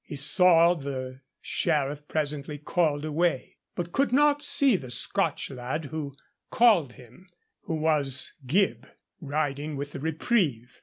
He saw the Sheriff presently called away, but could not see the Scotch lad who called him, who was Gibb riding in with the reprieve.